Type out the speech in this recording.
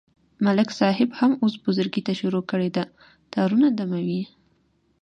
ملک صاحب هم اوس بزرگی ته شروع کړې ده، تارونه دموي.